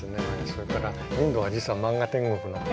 それからインドは実は漫画天国なんです。